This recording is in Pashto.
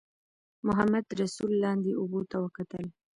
محمدرسول لاندې اوبو ته وکتل.